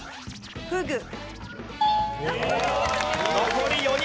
残り４人。